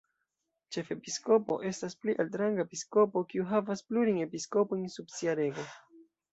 Ĉefepiskopo estas pli altranga episkopo, kiu havas plurajn episkopojn sub sia rego.